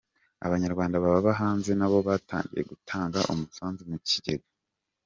Abanyarwanda baba hanze nabo batangiye gutanga umusanzu mu kigega